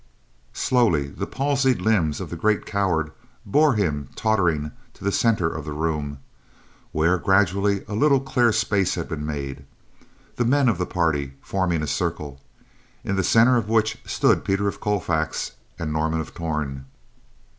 Slowly, the palsied limbs of the great coward bore him tottering to the center of the room, where gradually a little clear space had been made; the men of the party forming a circle, in the center of which stood Peter of Colfax and Norman of Torn.